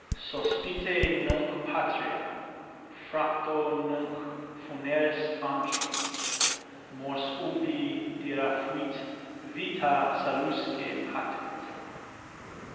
Sospite nunc patria, fracto nunc funeris antro, Mors ubi dira fuit vita salusque patent.